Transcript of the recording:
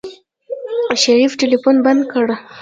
شريف ټلفون بند کړ.